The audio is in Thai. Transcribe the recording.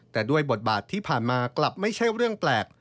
แต่ด้วยบทบาทที่ผ่านมากลับไม่ใช่เรื่องแปลก